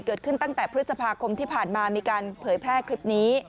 เกิดขึ้นตั้งแต่พฤษภาคมที่ผ่านมามีการเผยแพร่คลิปนี้